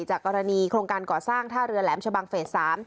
กรณีโครงการก่อสร้างท่าเรือแหลมชะบังเฟส๓